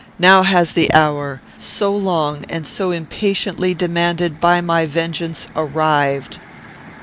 Now has the hour, so long and so impatiently demanded by my vengeance, arrived.